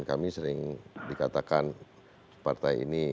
kami sering dikatakan partai ini